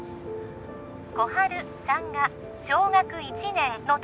心春さんが小学１年の時